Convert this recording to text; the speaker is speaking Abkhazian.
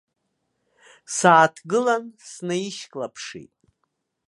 Сааҭгылан снаишьклаԥшит.